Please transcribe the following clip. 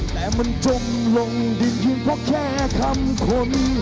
แต่มันจมลงดินเพียงเพราะแค่คำคน